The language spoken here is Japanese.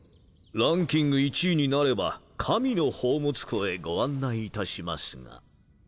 ランキング１位になれば神の宝物庫へご案内いたしますが